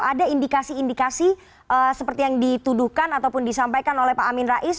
ada indikasi indikasi seperti yang dituduhkan ataupun disampaikan oleh pak amin rais